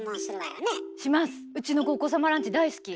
うちの子お子様ランチ大好き。